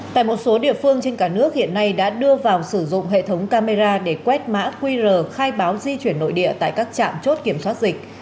tại một số địa phương trên cả nước hiện nay đã đưa vào sử dụng hệ thống camera để quét mã qr khai báo di chuyển nội địa tại các trạm chốt kiểm soát dịch